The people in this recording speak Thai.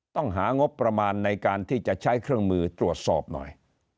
ต้องหางบประมาณในการที่จะใช้เครื่องมือตรวจสอบหน่อย